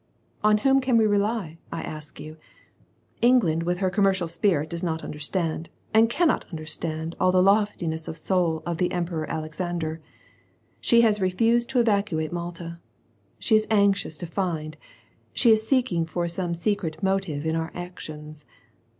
On whom can we rely, I ask you ?— England with her commercial spirit does not understand, and cannot understand all the loftiness of soul of the Emperor Alexander. She has refused to evacuate Malta. She is anxious to find, she is seeking for some secret motive in our actions.